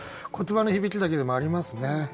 言葉の響きだけでもありますね。